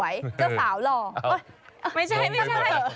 ไม่ใช่